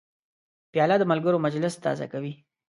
پیاله د ملګرو مجلس تازه کوي.